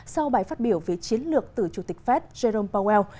sau bài phát biểu về chiến lược từ chủ tịch fed jerome powell